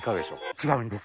違うんです。